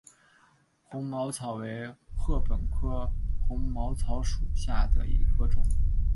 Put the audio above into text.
红毛草为禾本科红毛草属下的一个种。